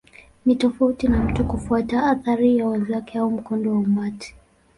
Ni tofauti na mtu kufuata athari ya wenzake au mkondo wa umati.